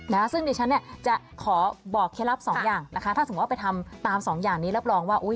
นะคะซึ่งดิฉันเนี่ยจะขอบอกเคล็ดลับสองอย่างนะคะถ้าสมมุติว่าไปทำตามสองอย่างนี้รับรองว่าอุ้ย